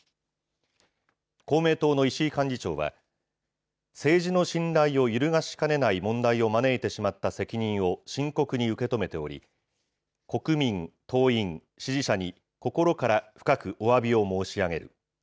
公明党の石井幹事長は、政治の信頼を揺るがしかねない問題を招いてしまった責任を深刻に受け止めており、国民、党員、支持者に心から深くおわびを申し上げる。